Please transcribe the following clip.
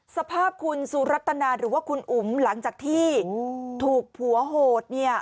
สภาพคุณสุรัตนาหรือว่าคุณอุ๋มหลังจากที่ถูกผัวโหดเนี่ย